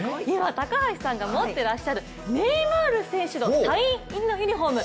高橋さんが持ってらっしゃるネイマール選手のサイン入りユニフォーム